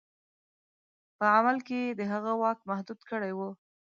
په عمل کې یې د هغه واک محدود کړی وو.